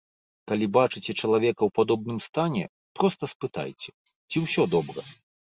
Калі бачыце чалавека ў падобным стане, проста спытайце, ці ўсё добра.